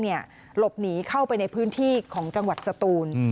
หลบหนีเข้าไปในพื้นที่ของจังหวัดสตูน